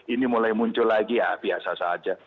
ini mulai muncul lagi ya biasa saja